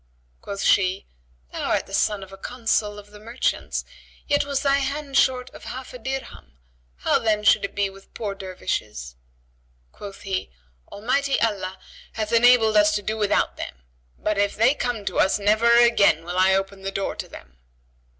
Quoth she, "Thou art the son of a Consul of the merchants, yet was thy hand short of half a dirham; how then should it be with poor Dervishes?" Quoth he, "Almighty Allah hath enabled us to do without them; but if they come to us never again will I open the door to them."